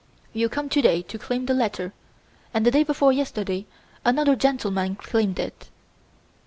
'You come to day to claim the letter, and the day before yesterday another gentleman claimed it!